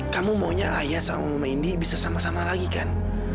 kamu maunya ayah sama mandi bisa sama sama lagi kan